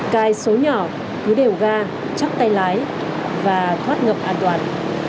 cai số nhỏ cứ đều ga chắc tay lái và thoát ngập an toàn